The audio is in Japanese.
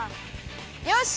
よし！